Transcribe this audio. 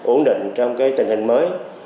ổn định trong cái tình hình mới